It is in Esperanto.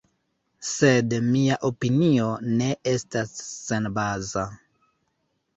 Sed mia opinio ne estas senbaza.